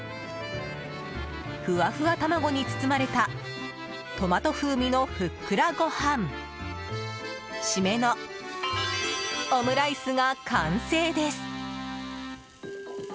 ふわふわ卵に包まれたトマト風味のふっくらご飯シメのオムライスが完成です。